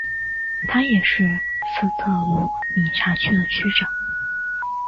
他也是斯特鲁米察区的区长。